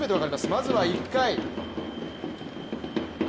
まずは１回。